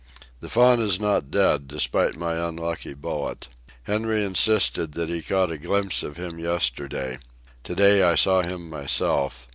The Faun is not dead, despite my unlucky bullet. Henry insisted that he caught a glimpse of him yesterday. To day I saw him myself.